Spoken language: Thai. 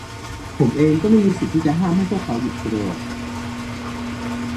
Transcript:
ผมเองก็ไม่มีสิทธิ์ที่จะห้ามให้พวกเขาหยุดโกรธ